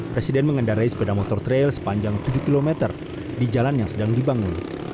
presiden mengendarai sepeda motor trail sepanjang tujuh km di jalan yang sedang dibangun